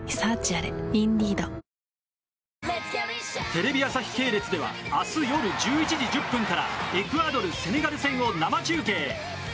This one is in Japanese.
テレビ朝日系列では明日夜１１時１０分からエクアドル・セネガル戦を生中継。